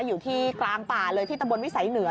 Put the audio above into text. อยู่ที่กลางป่าเลยที่ตะบนวิสัยเหนือ